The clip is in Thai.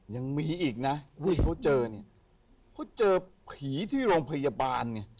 ยังมีอีกนะที่เขาเจอเนี่ยเขาเจอผีที่โรงพยาบาลเนี่ย